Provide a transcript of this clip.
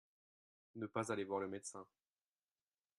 Ne pas aller voir le médecin.